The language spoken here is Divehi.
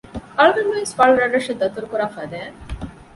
އަޅުގަނޑުމެންވެސް ފަޅުރަށްރަށަށް ދަތުރުދާ ފަދައިން